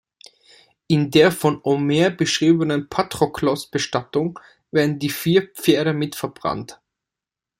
In der von Homer beschriebenen Patroklos-Bestattung werden die vier Pferde mit verbrannt.